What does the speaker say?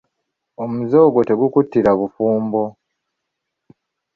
Omuze ogwo tegukuttira bufumbo.